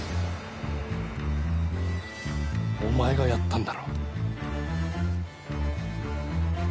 お前がやったんだろ？